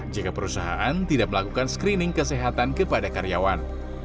jika perusahaan tidak melakukan screening kesehatan kepada karyawan